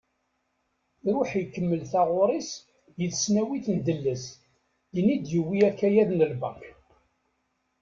Iruḥ ikemmel taɣuri-s di tesnawit n Delles, din i d-yewwi akayad n lbak.